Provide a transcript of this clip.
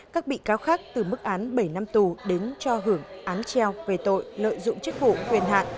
các bị cáo khác từ mức án bảy năm tù đến cho hưởng án treo về tội lợi dụng chức vụ quyền hạn